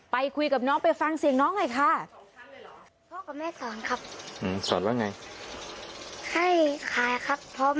ไปคุยกับน้องไปฟังเสียงน้องหน่อยค่ะ